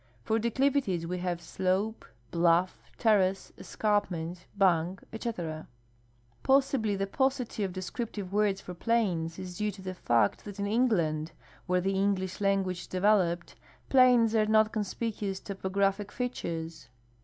For declivities we have slope, bluff, terrace, escarpment, bank, etc. Possibl}" the paucity of descriptive words for plains is due to the fact that in England, where the English language developed, plains are not conspicuous topographic features.